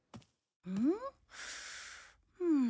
うん？